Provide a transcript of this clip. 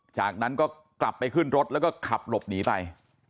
จากนั้นก็กลับไปขึ้นรถแล้วก็ขับหลบหนีไป